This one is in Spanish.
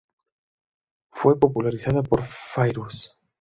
Fue popularizada por Fairuz.